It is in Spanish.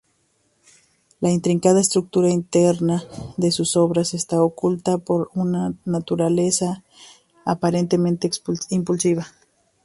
La intrincada estructura interna de sus obras está oculta por una naturaleza aparentemente impulsiva.